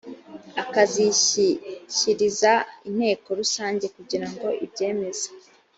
akazishyikiriza inteko rusange kugira ngo ibyemeze